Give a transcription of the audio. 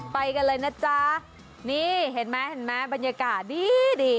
ไปกันเลยนะจ๊ะนี่เห็นไหมบรรยากาศดี